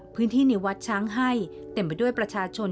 พื้นที่ในวัดช้างให้เต็มไปด้วยประชาชน